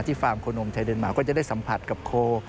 ฟาร์มโคนมไทยเดนมาร์ก็จะได้สัมผัสกับโค